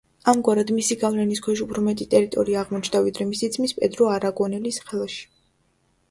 ამგვარად მისი გავლენის ქვეშ უფრო მეტი ტერიტორია აღმოჩნდა ვიდრე მისი ძმის პედრო არაგონელის ხელში.